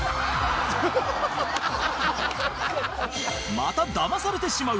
まただまされてしまう